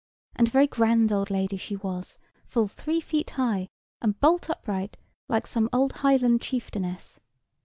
And a very grand old lady she was, full three feet high, and bolt upright, like some old Highland chieftainess.